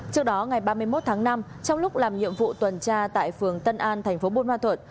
trước đó ngày ba mươi một tháng năm trong lúc làm nhiệm vụ tuần tra tại phường tân an thành phố bôn ma thuận